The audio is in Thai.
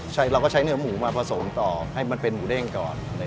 เราก็ใช้เนื้อหมูมาผสมต่อให้มันเป็นหมูเด้งก่อน